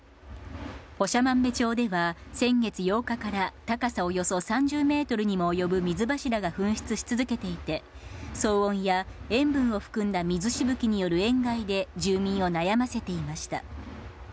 長万部町では、先月８日から高さおよそ３０メートルにも及ぶ水柱が噴出し続けていて、騒音や塩分を含んだ水しぶきによる塩害で住民を悩ませていました。